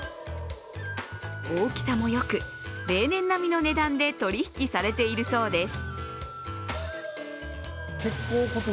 大きさもよく例年並みの値段で取引されているそうです。